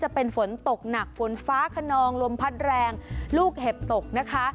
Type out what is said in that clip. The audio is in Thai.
จะเป็นฝนตกหนักฝนฟ้าขนองลมพัดแรงลูกเห็บตกนะคะ